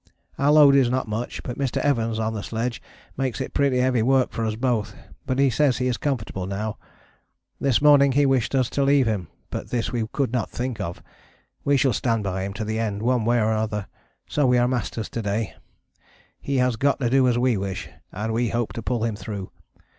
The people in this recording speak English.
Our load is not much, but Mr. Evans on the sledge makes it pretty heavy work for us both, but he says he is comfortable now. This morning he wished us to leave him, but this we could not think of. We shall stand by him to the end one way or other, so we are the masters to day. He has got to do as we wish and we hope to pull him through.